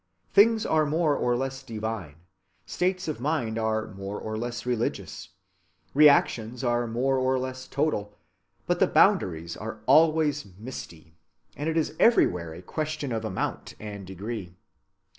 Things are more or less divine, states of mind are more or less religious, reactions are more or less total, but the boundaries are always misty, and it is everywhere a question of amount and degree.